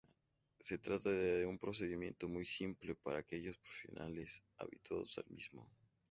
Se trata de un procedimiento muy simple para aquellos profesionales habituados al mismo.